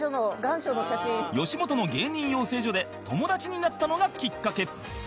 吉本の芸人養成所で友達になったのがきっかけ